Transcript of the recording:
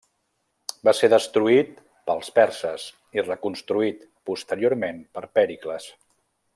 Va ser destruït pels perses i reconstruït posteriorment per Pèricles.